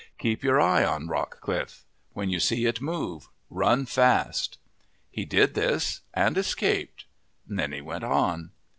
Keep your eye on Rock Cliff. When you see it move, run fast." He did this and escaped. Then he went on.